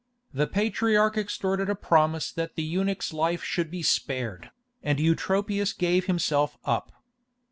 The patriarch extorted a promise that the eunuch's life should be spared, and Eutropius gave himself up.